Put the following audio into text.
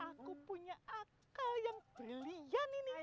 aku punya akal yang brilian ini